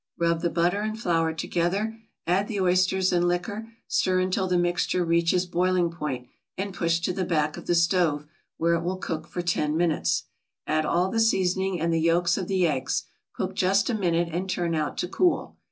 Rub the butter and flour together, add the oysters and liquor, stir until the mixture reaches boiling point, and push to the back of the stove where it will cook for ten minutes. Add all the seasoning and the yolks of the eggs, cook just a minute, and turn out to cool.